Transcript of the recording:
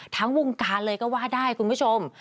ทั้งวงการเลยก็ว่าได้คุณผู้ชม